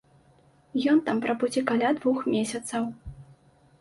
Ён там прабудзе каля двух месяцаў.